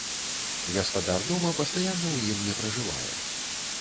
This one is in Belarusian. Гаспадар дома пастаянна ў ім не пражывае.